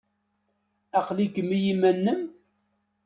Aql-ikem i yiman-nnem?